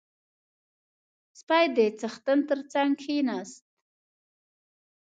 • سپی د څښتن تر څنګ کښېناست.